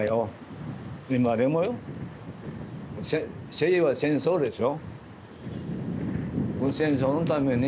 せいは戦争でしょ。